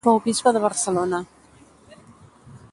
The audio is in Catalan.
Fou bisbe de Barcelona.